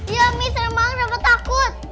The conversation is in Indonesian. ya mi seramang dapat takut